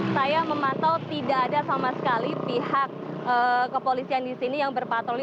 saya memantau tidak ada sama sekali pihak kepolisian di sini yang berpatroli